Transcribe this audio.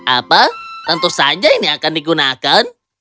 apa tentu saja ini akan digunakan